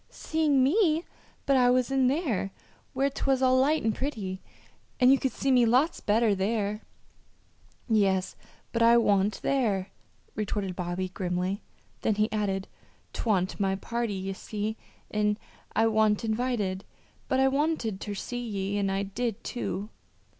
"Seeing me! But I was in there, where 'twas all light and pretty, and you could see me lots better there!" "Yes, but I wa'n't there," retorted Bobby, grimly; then he added: "'Twa'n't my party, ye see, an' I wa'n't invited. But I wanted ter see ye an' I did, too."